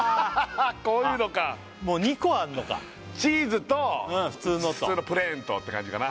こういうのかもう２個あんのかチーズと普通のプレーンとって感じかな